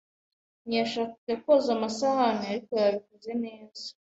Ntiyashakaga koza amasahani, ariko yabikoze neza.